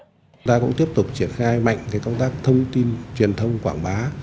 chúng ta cũng tiếp tục triển khai mạnh công tác thông tin truyền thông quảng bá